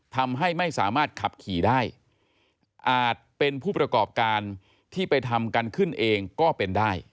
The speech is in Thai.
ทำให้ไม่สามารถขับขี่ได้อาจเป็นผู้ประกอบการที่ไปทำกันขึ้นเองก็เป็นได้